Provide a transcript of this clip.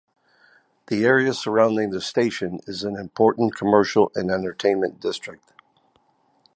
The area surrounding the station is an important commercial and entertainment district.